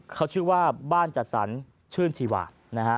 เขาชื่อว่าบ้านจัดสรรชื่นชีวานะฮะ